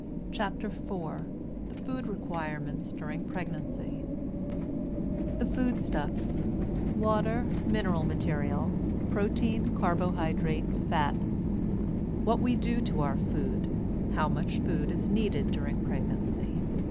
CHAPTER IV THE FOOD REQUIREMENTS DURING PREGNANCY The Food stuffs: Water; Mineral Material; Protein; Carbohydrate; Fat What We Do to Our Food How Much Food Is Needed During Pregnancy?